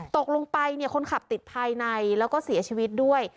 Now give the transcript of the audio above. ตกลงไปคนขับติดภายในแล้วก็เสียชีวิตด้วย